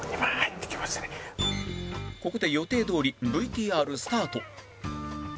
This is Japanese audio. ここで予定どおり ＶＴＲ スタート